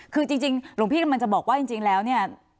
คือจริงหลวงพี่กำลังจะบอกว่าจริงแล้วเนี่ย